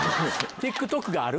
ＴｉｋＴｏｋがある。